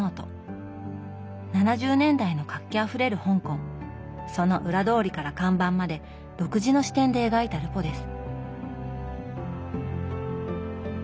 ７０年代の活気あふれる香港その裏通りから看板まで独自の視点で描いたルポです。